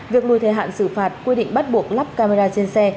việc lùi thời hạn xử phạt quy định bắt buộc lắp camera trên xe